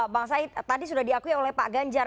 bang said tadi sudah diakui oleh pak ganjar